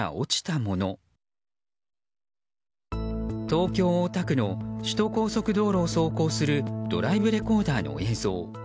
東京・大田区の首都高速道路を走行するドライブレコーダーの映像。